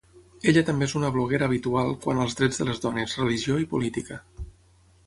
Ella també és una bloguera habitual quant als drets de les dones, religió i política.